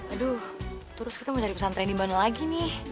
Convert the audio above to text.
aduh terus kita mau cari pesantren di bandung lagi nih